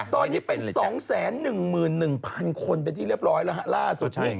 ตอนนี้เป็น๒๑๑๐๐๐คนเป็นที่เรียบร้อยแล้วฮะล่าสุด